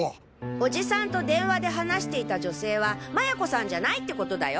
おじさんと電話で話していた女性は麻也子さんじゃないってことだよ。